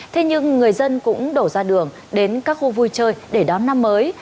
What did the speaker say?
thế nhưng người dân cũng đổ ra đường đến các khu vui chơi để đón năm mới